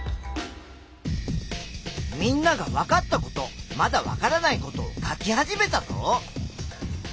みんながわかったことまだわからないことを書き始めたぞ。